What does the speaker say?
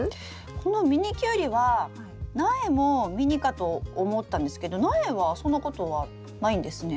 このミニキュウリは苗もミニかと思ったんですけど苗はそんなことはないんですね。